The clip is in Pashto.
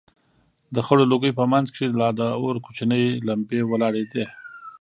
د خړو لوگيو په منځ کښې لا د اور کوچنۍ لمبې ولاړېدې.